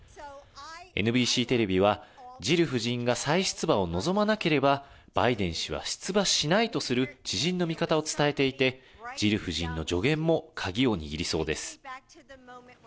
ＮＢＣテレビは、ジル夫人が再出馬を望まなければ、バイデン氏は出馬しないとする知人の見方を伝えていて、ジル夫人の助言も鍵を握りそうです。